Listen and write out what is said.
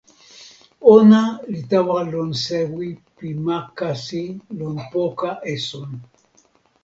ona li tawa lon sewi pi ma kasi lon poka esun.